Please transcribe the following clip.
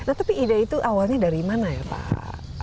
nah tapi ide itu awalnya dari mana ya pak